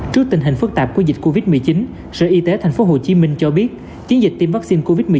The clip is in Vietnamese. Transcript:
trước tình hình phức tạp của dịch covid một mươi chín sở y tế tp hcm cho biết chiến dịch tiêm vaccine covid một mươi chín